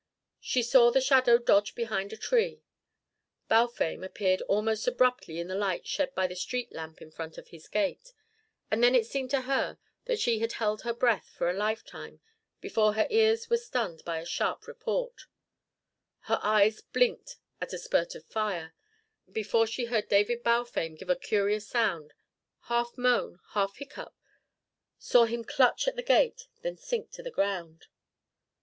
She saw the shadow dodge behind a tree. Balfame appeared almost abruptly in the light shed by the street lamp in front of his gate; and then it seemed to her that she had held her breath for a lifetime before her ears were stunned by a sharp report, her eyes blinked at a spurt of fire, before she heard David Balfame give a curious sound, half moan, half hiccough, saw him clutch at the gate, then sink to the ground.